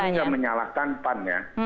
kami nggak menyalahkan pan ya